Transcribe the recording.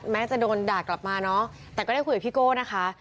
จะโดนด่ากลับมาเนอะแต่ก็ได้คุยกับพี่โก้นะคะ